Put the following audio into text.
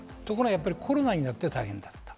ただコロナになって大変だった。